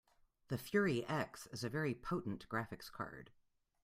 The Fury X is a very potent graphics card.